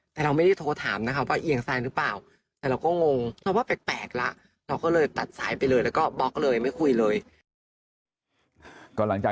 แต่เราไม่ได้โทรถามว่าเอียงซ้ายหรือเปล่า